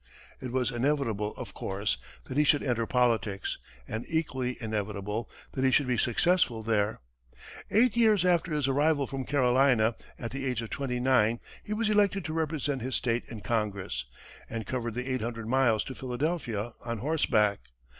It was inevitable, of course, that he should enter politics, and equally inevitable that he should be successful there. Eight years after his arrival from Carolina, at the age of twenty nine, he was elected to represent his state in Congress, and covered the eight hundred miles to Philadelphia on horseback.